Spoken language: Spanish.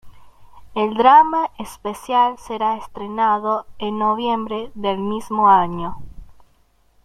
El drama especial será estrenado en noviembre del mismo año.